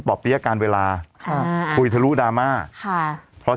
เปอร์เปี๊ยะการเวลาค่าฟังค่ะคุยทะลุดามาค่ะ